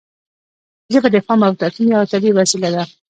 ژبه د افهام او تفهیم یوه طبیعي وسیله ده.